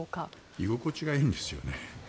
居心地がいいんですよね。